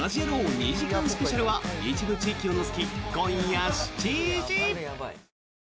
２時間スペシャルは一部地域を除き、今夜７時！